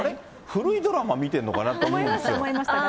古いドラマ見てるのかなと思いましたよ。